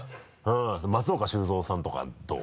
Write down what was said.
松岡修造さんとかどう？